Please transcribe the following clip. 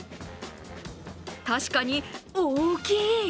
確かに大きい。